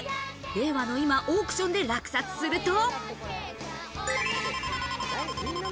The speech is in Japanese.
令和の今、オークションで落札すると。